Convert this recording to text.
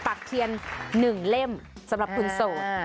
เทียน๑เล่มสำหรับคุณโสด